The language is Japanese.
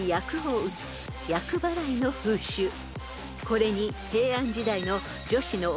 ［これに］